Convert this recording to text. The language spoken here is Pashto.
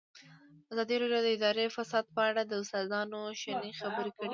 ازادي راډیو د اداري فساد په اړه د استادانو شننې خپرې کړي.